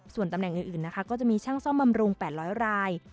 ส่วนตำแหน่งอื่นนะคะก็จะมีช่างซ่อมบำรุง๘๐๐ราย